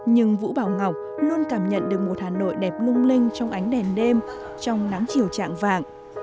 nhưng vũ bảo ngọc luôn cảm nhận được một hà nội đẹp lung linh trong ánh đèn đêm trong nắng chiều trạng vàng